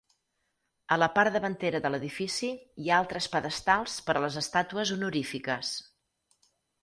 A la part davantera de l'edifici hi ha altres pedestals per a les estàtues honorífiques.